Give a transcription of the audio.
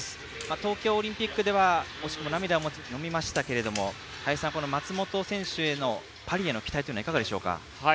東京オリンピックでは惜しくも涙をのみましたけども林さん、この松元選手へのパリへの期待というのはいかがでしょうか。